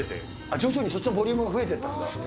徐々にそっちのボリュームが増えていったんだ。